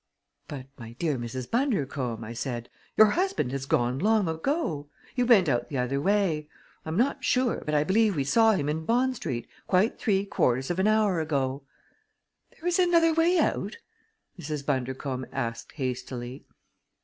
"But, my dear Mrs. Bundercombe," I said, "your husband has gone long ago! He went out the other way. I am not sure but I believe we saw him in Bond Street quite three quarters of an hour ago." "There is another way out?" Mrs. Bundercombe asked hastily.